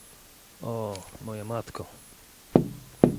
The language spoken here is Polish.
"O, moja matko!"